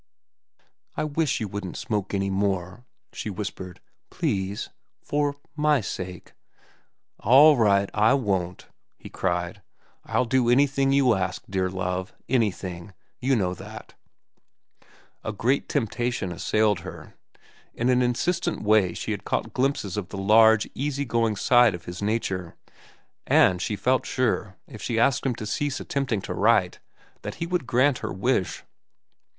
"I wish you wouldn't smoke any more," she whispered. "Please, for—my sake." "All right, I won't," he cried. "I'll do anything you ask, dear love, anything; you know that." A great temptation assailed her. In an insistent way she had caught glimpses of the large, easy going side of his nature, and she felt sure, if she asked him to cease attempting to write, that he would grant her wish.